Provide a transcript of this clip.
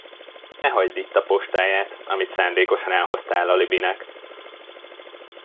Ne hagyd itt a postáját, amit szándékosan elhoztál alibinek!